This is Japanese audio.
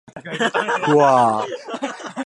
ふぁあ